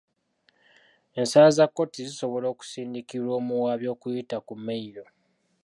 Ensala za kkooti zisobola okusindikirwa omuwaabi okuyita ku mmeyiro.